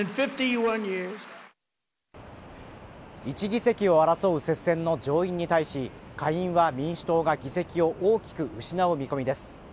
１議席を争う接戦の上院に対し下院は民主党が議席を大きく失う見込みです。